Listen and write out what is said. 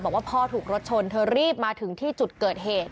บอกว่าพ่อถูกรถชนเธอรีบมาถึงที่จุดเกิดเหตุ